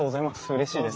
うれしいです。